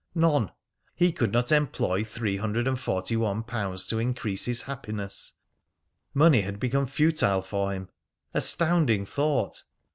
None. He could not employ three hundred and forty one pounds to increase his happiness. Money had become futile for him. Astounding thought!